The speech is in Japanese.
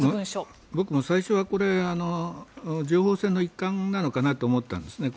僕も最初は情報戦の一環なのかなと思ったんです。